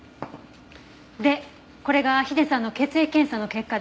でこれがヒデさんの血液検査の結果です。